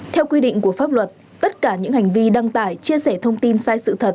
theo quy định của pháp luật tất cả những hành vi đăng tải chia sẻ thông tin sai sự thật